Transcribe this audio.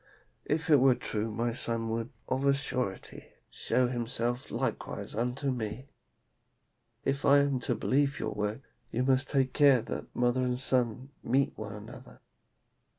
If it were true my son would, of a surety, show himself likewise unto me. If I am to believe your words, you must take care that mother and son meet one another.'